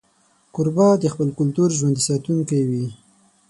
کوربه د خپل کلتور ژوندي ساتونکی وي.